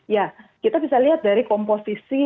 ya kita bisa lihat dari komposisi